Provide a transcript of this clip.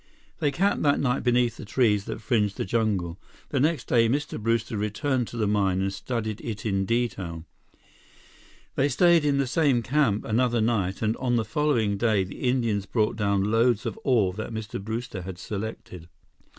They camped that night beneath the trees that fringed the jungle. The next day, Mr. Brewster returned to the mine and studied it in detail. They stayed in the same camp another night and on the following day, the Indians brought down loads of ore that Mr. Brewster had selected.